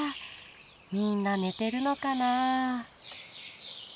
みんな寝てるのかなあ。